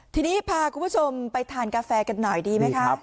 ทีนี้พาคุณผู้ชมไปทานกาแฟกันหน่อยดีไหมคะ